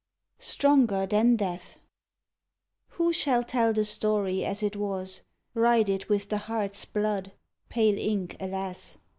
STRONGER THAN DEATH Who shall tell the story As it was? Write it with the heart's blood? (Pale ink, alas!)